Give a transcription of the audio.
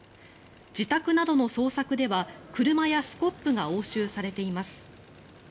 自宅などの捜索では、車やスコップが押収されています。